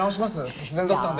突然だったんで。